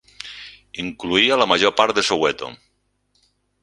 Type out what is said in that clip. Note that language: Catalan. Incloïa la major part de Soweto.